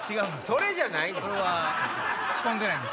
それじゃないねん！